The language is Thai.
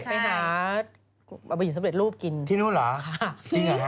ไปหาเอาไปหยินสำเร็จรูปกินที่นู่นเหรอจริงเหรอคะ